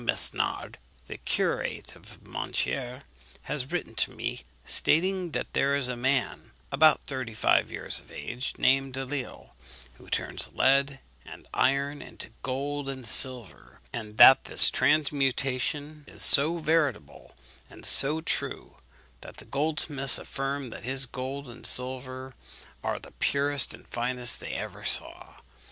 Mesnard, the curate of Montier, has written to me, stating that there is a man, about thirty five years of age, named Delisle, who turns lead and iron into gold and silver; and that this transmutation is so veritable and so true, that the goldsmiths affirm that his gold and silver are the purest and finest they ever saw.